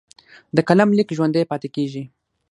د قلم لیک ژوندی پاتې کېږي.